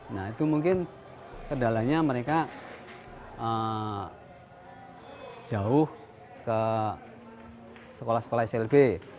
nah itu mungkin kendalanya mereka jauh ke sekolah sekolah slb